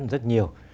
chắc chắn rất nhiều